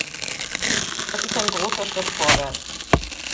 Das ist ein großer Schritt vorwärts.